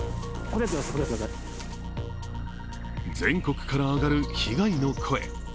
全国から上がる被害の声。